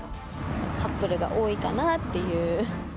カップルが多いかなっていう。